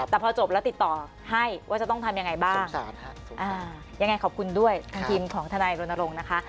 แต่พอจบแล้วติดต่อให้ว่าจะต้องทำยังไงบ้างยังไงขอบคุณด้วยทีมของทนายรณรงค์นะคะ